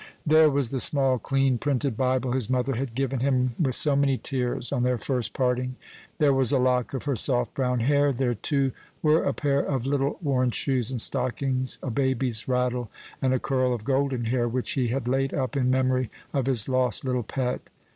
There was the small, clean printed Bible his mother had given him with so many tears on their first parting; there was a lock of her soft brown hair; there, too, were a pair of little worn shoes and stockings, a baby's rattle, and a curl of golden hair, which he had laid up in memory of his lost little pet.